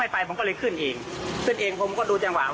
มีสะทคิด